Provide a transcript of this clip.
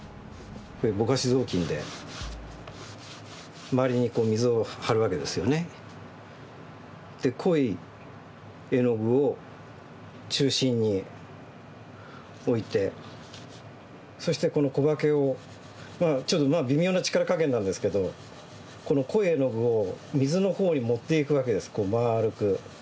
ぼかし雑巾で周りに水をはるわけですよね。で濃い絵の具を中心に置いてそしてこの小刷毛をまあちょっと微妙な力加減なんですけどこの濃い絵の具を水の方に持っていくわけですまあるく。